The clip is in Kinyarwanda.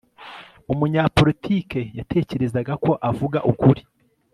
umunyapolitike yatekerezaga ko avuga ukuri